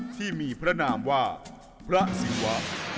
ที่มีพระนามว่าพระศิวะ